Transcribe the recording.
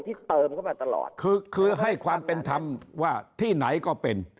ที่เติมเข้ามาตลอดคือคือให้ความเป็นธรรมว่าที่ไหนก็เป็น